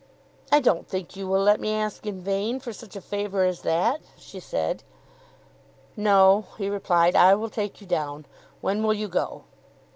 "I don't think you will let me ask in vain for such a favour as that," she said. "No;" he replied. "I will take you down. When will you go?"